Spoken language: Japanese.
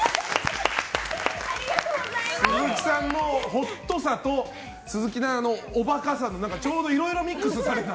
ホットさと鈴木奈々のおバカさの、ちょうどいろいろミックスされた。